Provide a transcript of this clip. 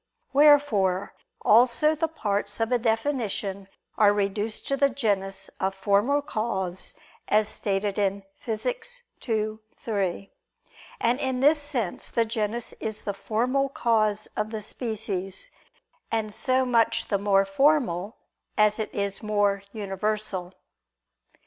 Wherefore also the parts of a definition are reduced to the genus of formal cause, as is stated in Phys. ii, 3. And in this sense the genus is the formal cause of the species; and so much the more formal, as it is more universal.